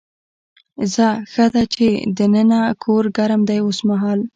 ځه ښه ده چې دننه کور ګرم دی اوسمهال.